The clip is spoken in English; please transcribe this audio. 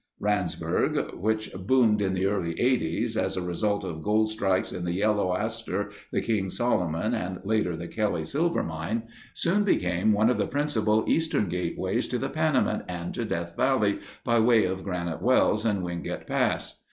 Randsburg, which boomed in the early Eighties as a result of gold strikes in the Yellow Aster, the King Solomon, and later the Kelly silver mine, soon became one of the principal eastern gateways to the Panamint and to Death Valley by way of Granite Wells and Wingate Pass.